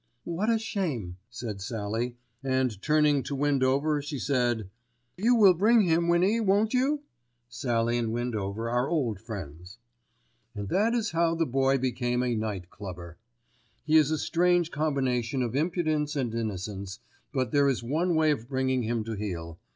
"What a shame," said Sallie, and turning to Windover she said, "You will bring him, Winnie, won't you?" Sallie and Windover are old friends. And that is how the Boy became a "Night Clubber." He is a strange combination of impudence and innocence; but there is one way of bringing him to heel.